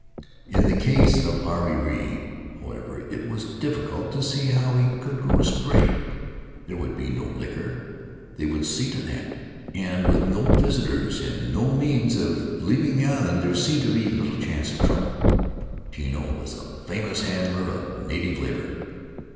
In the case of Ariri, however, it was difficult to see how he could go astray; there would be no liquor — they would see to that — and with no visitors and no means of In the Cook Group leaving the island there seemed little chance of trouble, Tino was a famous handler of native labor.